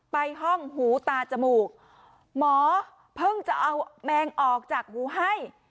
ไปห้องหูตาจมูกหมอเพิ่งจะเอาแมงออกจากหูให้